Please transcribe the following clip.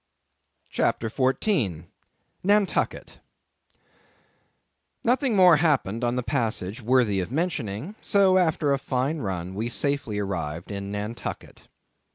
CHAPTER 14. Nantucket. Nothing more happened on the passage worthy the mentioning; so, after a fine run, we safely arrived in Nantucket.